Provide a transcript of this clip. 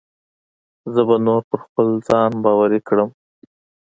زه به نور پر ځان باوري کړم.